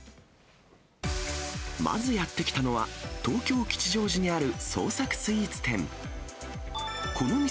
まずやって来たのは、東京・吉祥寺にある創作スイーツ店。